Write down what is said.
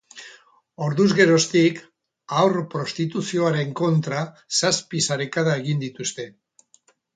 Orduz geroztik haur-prostituzioaren kontra zazpi sarekada egin dituzte.